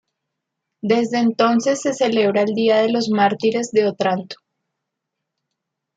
Desde entonces se celebra el día de los Mártires de Otranto.